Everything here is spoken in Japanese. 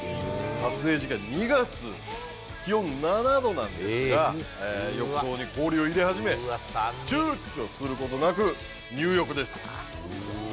撮影時期は２月、気温７度なんですが、浴槽に氷を入れ始め、ちゅうちょすることなく入浴です。